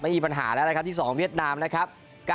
และอีบปัญหาแลกครับที่๒เวียดนามนะครับ